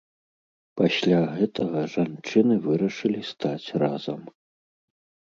Пасля гэтага жанчыны вырашылі стаць разам.